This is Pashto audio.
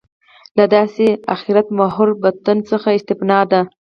له داسې آخرت محوره متن څخه استنباط ده.